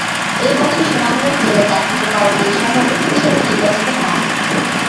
একই বছর সুনামগঞ্জ জেলা জাতীয় পার্টির সভাপতি হিসেবে নির্বাচিত হন।